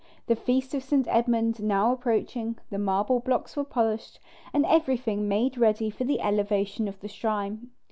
The feast of St. Edmund now approaching, the marble blocks were polished, and everything made ready for the elevation of the shrine.